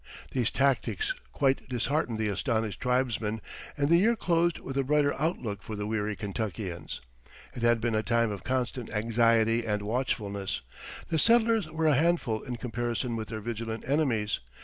These tactics quite disheartened the astonished tribesmen, and the year closed with a brighter outlook for the weary Kentuckians. It had been a time of constant anxiety and watchfulness. The settlers were a handful in comparison with their vigilant enemies.